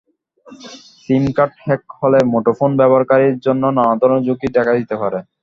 SIM card hack হলে মুঠোফোন ব্যবহারকারী জন্য নানা ধরনের ঝুঁকি দেখা দিতে পারে।